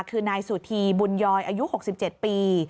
คือนายสุธีบุญยอยอายุ๖๗ปี